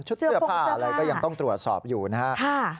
เสื้อผ้าอะไรก็ยังต้องตรวจสอบอยู่นะครับ